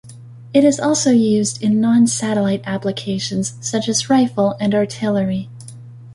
It is also used in non-satellite applications such as rifle and artillery.